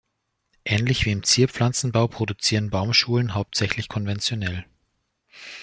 Ähnlich wie im Zierpflanzenbau produzieren Baumschulen hauptsächlich konventionell.